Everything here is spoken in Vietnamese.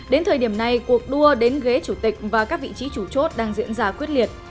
đến thời điểm này cuộc đua đến ghế chủ tịch và các vị trí chủ chốt đang diễn ra quyết liệt